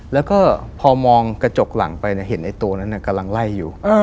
แล้วก็พอมองกระจกหลังไปเห็นไอ้ตัวนั้นกำลังไล่อยู่